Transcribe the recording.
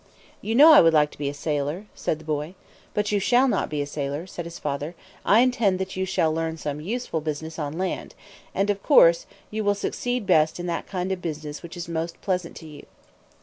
"You know I would like to be a sailor," said the boy. "But you shall not be a sailor," said his father. "I intend that you shall learn some useful business, on land; and, of course, you will succeed best in that kind of business which is most pleasant to you."